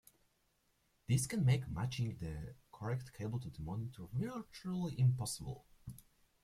This can make matching the correct cable to the monitor virtually impossible.